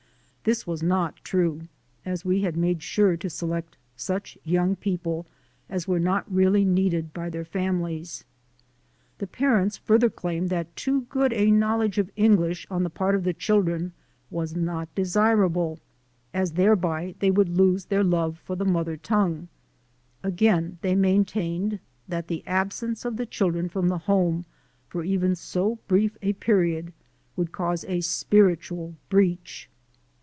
This was not true, as we had made sure to select such young people as were not really needed by their families. The parents further claimed that too good a knowledge of English on the part of the children was not desirable, as thereby they would lose their love for the mother tongue. Again, they maintained that the absence of the children from the home for even so brief a period, would cause a spirit ual breach.